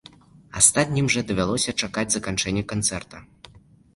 Астатнім жа давялося чакаць заканчэння канцэрта.